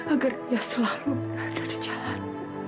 agar dia selalu berada di jalan